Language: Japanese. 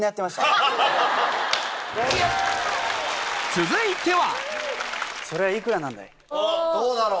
続いては！